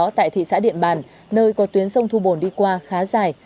trong đó tại thị xã điện bàn nơi có tuyến sông thu bồn đi qua khá dài